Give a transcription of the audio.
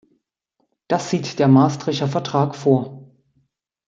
Das sieht der Maastrichter Vertrag vor.